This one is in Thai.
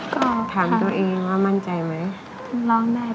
ฉันก็มั่นใจหน่อย